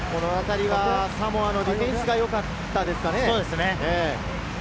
サモアのディフェンスが良かったですかね。